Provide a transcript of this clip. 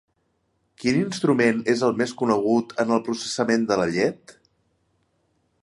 Quin instrument és el més conegut en el processament de la llet?